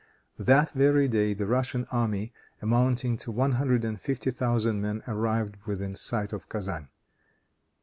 That very day, the Russian army, amounting to one hundred and fifty thousand men, arrived within sight of Kezan.